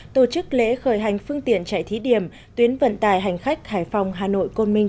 tổ chức lễ khởi hành phương tiện chạy thí điểm tuyến vận tải hành khách hải phòng hà nội côn minh